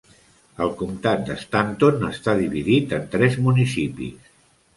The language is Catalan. El comtat de Stanton està dividit en tres municipis.